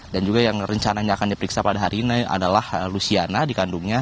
dan juga yang rencananya akan diperiksa pada hari ini adalah lusiana di kandungnya